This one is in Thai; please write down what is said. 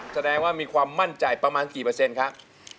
แสดงว่ามีความมั่นใจประมาณกี่เปอร์เซ็นต์ครับ